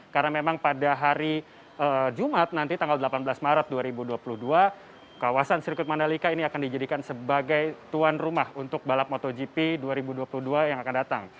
karena memang pada hari jumat nanti tanggal delapan belas maret dua ribu dua puluh dua kawasan sirkuit mandalika ini akan dijadikan sebagai tuan rumah untuk balap motogp dua ribu dua puluh dua yang akan datang